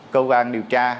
cơ quan điều tra